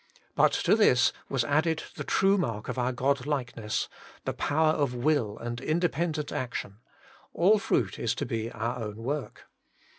But to this was added the true mark of our God like ness, the power of will and independent action : all fruit is to be our own work.